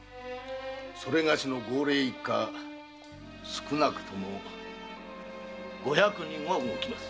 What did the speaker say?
それがしの号令一下少なくとも五百人は動きます。